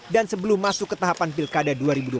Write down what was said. dan sebelum masuk ke tahapan pilkada dua ribu dua puluh empat